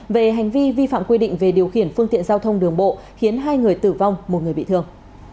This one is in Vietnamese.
về hành vi vi phạm quy định về điều khiển phương tiện giao thông đường bộ khiến hai người tử vong một người bị thương